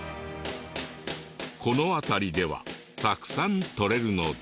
この辺りではたくさんとれるので。